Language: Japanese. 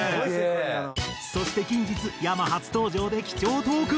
そして近日ｙａｍａ初登場で貴重トーク。